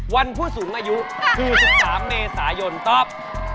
วันผู้สูงอายุ๑๓เมษายนต๊อป